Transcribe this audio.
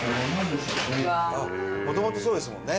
もともとそうですもんね。